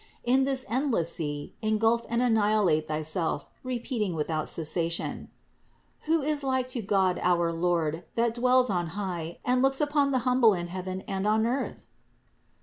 In this endless sea, engulf and anni hilate thyself, repeating without cessation : "Who is like to God our Lord, that dwells on high and looks upon the humble in heaven and on earth?"